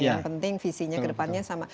yang penting visinya kedepannya sama